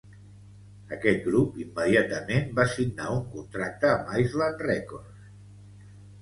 Aquest grup immediatament va signar un contracte amb Island Records.